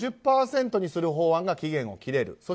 ５０％にする法案が期限が切れる。